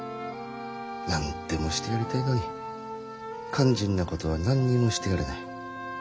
何でもしてやりたいのに肝心なことは何にもしてやれない。